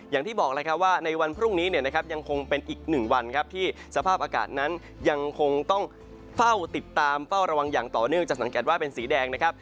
อย่างที่บอกแล้วครับว่าในวันพรุ่งนี้เนี่ยนะครับยังคงเป็นอีกหนึ่งวันครับที่สภาพอากาศนั้นยังคงต้องเฝ้าติดตามเฝ้าระวังอย่างต่อเนื่องจะสังเกตว่าเป็นสีแดงนะครับ